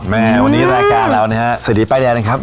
แม่วันนี้รายการเรานะฮะเศรษฐีป้ายแดงนะครับ